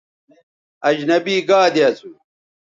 اجنبی گادے اسو